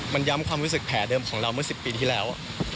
มันย้ำความรู้สึกแผลเดิมของเราเมื่อ๑๐ปีที่แล้ว